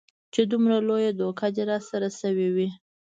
چې دومره لويه دوکه دې راسره سوې وي.